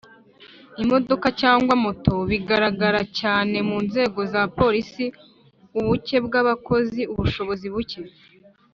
imodoka cyangwa moto bigaragara cyane mu nzego za Polisi ubuke bw abakozi ubushobozi buke